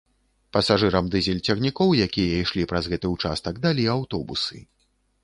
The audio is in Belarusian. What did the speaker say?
Пасажырам дызель-цягнікоў, якія ішлі праз гэты ўчастак, далі аўтобусы.